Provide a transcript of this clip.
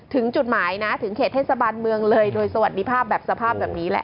ถึงจุดหมายนะถึงเขตเทศบาลเมืองเลยโดยสวัสดีภาพแบบสภาพแบบนี้แหละ